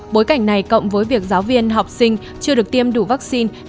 bối cảnh này cộng với việc giáo viên học sinh chưa được tiêm đủ vaccine